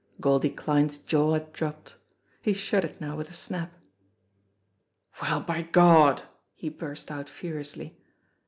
Goldie Kline's jaw had dropped. He shut it now with a snap. "Well, by Gawd !" he burst out furiously.